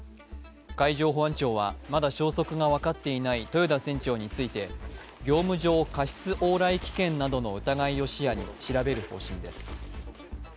海上保安庁は、まだ消息が分かっていない豊田船長について業務上過失往来危険などの疑いを視野に調べる方針です。